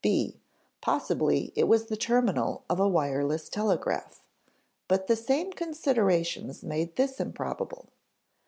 (b) Possibly it was the terminal of a wireless telegraph. But the same considerations made this improbable.